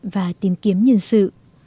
và tìm kiếm nhân sự